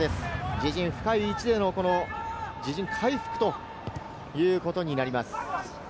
自陣深い位置での自陣回復ということになります。